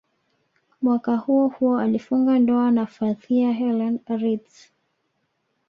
Mwaka huohuo alifunga ndoa na Fathia Helen Ritzk